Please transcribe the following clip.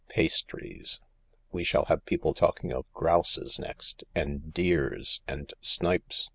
' Pastries 1 ' We shall have people talking of ' grouses ' next, and 'deers ' and 'snipes.'